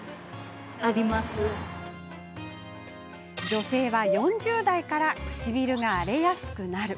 女性は４０代から唇が荒れやすくなる。